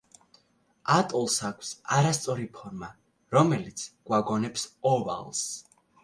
ატოლს აქვს არასწორი ფორმა, რომელიც გვაგონებს ოვალს.